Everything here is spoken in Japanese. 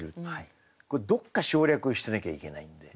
これどっか省略してなきゃいけないんで。